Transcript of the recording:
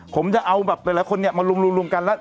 ผมจะเอาแบบแต่ละคนเนี่ยมาลุงกัน